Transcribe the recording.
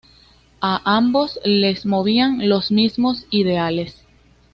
A ambos les movían los mismos ideales.